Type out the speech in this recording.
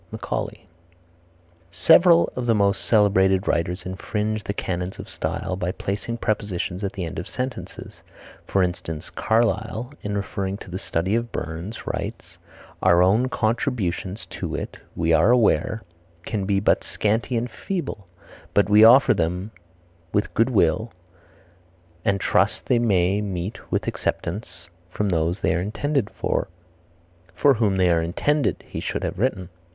Macaulay. Several of the most celebrated writers infringe the canons of style by placing prepositions at the end of sentences. For instance Carlyle, in referring to the Study of Burns, writes: "Our own contributions to it, we are aware, can be but scanty and feeble; but we offer them with good will, and trust they may meet with acceptance from those they are intended for." "for whom they are intended," he should have written.